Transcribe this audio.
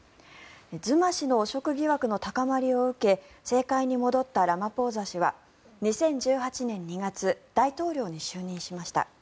ズマ氏の汚職疑惑の高まりを受け政界に戻ったラマポーザ氏は２０１８年２月大統領に就任しました。